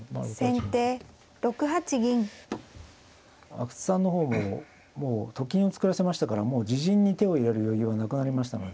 阿久津さんの方ももうと金を作らせましたからもう自陣に手を入れる余裕はなくなりましたので。